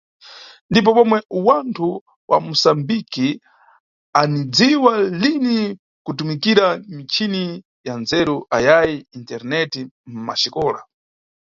Ndipo pomwe wanthu wa Musambiki anidziwa lini kutumikira michini ya nzeru ayayi Internet mʼmaxikola.